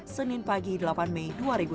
senin pagi delapan mei dua ribu dua puluh